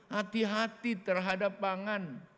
hati hati terhadap pangan